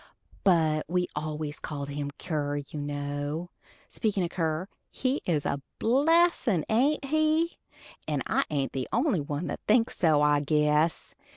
But we always called him Kier, you know. Speakin' o' Kier, he is a blessin', ain't he? and I ain't the only one that thinks so, I guess.